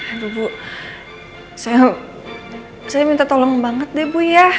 aduh bu saya minta tolong banget deh bu ya